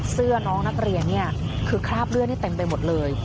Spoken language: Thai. เสื้อน้องนักเรียนเนี่ยคือคราบเลือดนี่เต็มไปหมดเลย